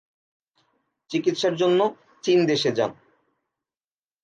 চিকিৎসার জন্য চীন দেশে যান।